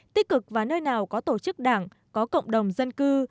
tích cực và nơi nào có tổ chức đảng có cộng đồng dân cư